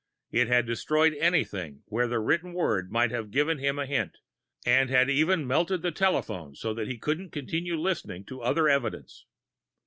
It had destroyed anything where the written word might give him a hint, and had even melted the telephone so that he couldn't continue listening to other evidence.